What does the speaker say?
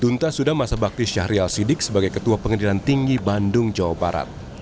dunta sudah masa bakti syahrial sidik sebagai ketua pengadilan tinggi bandung jawa barat